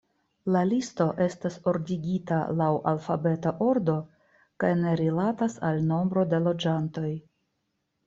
La listo estas ordigita laŭ alfabeta ordo kaj ne rilatas al nombro de loĝantoj.